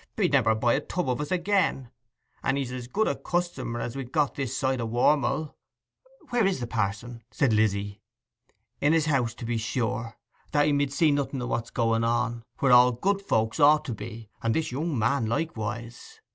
He'd never buy a tub of us again, and he's as good a customer as we have got this side o' Warm'll.' 'Where is the pa'son?' said Lizzy. 'In his house, to be sure, that he mid see nothing of what's going on—where all good folks ought to be, and this young man likewise.